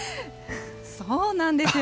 そうなんですよ。